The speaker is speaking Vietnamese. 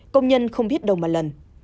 công nhân không biết đâu mà lần